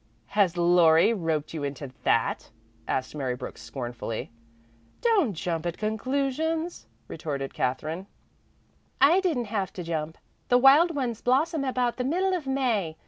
"Has Laurie roped you into that?" asked Mary Brooks scornfully. "Don't jump at conclusions," retorted Katherine. "I didn't have to jump. The wild ones blossom about the middle of May.